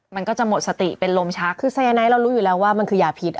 มันก็จะหมดสติเป็นลมชักคือสายไนท์เรารู้อยู่แล้วว่ามันคือยาพิษ